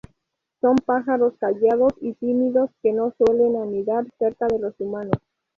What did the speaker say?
Son pájaros callados y tímidos que no suelen anidar cerca de los humanos.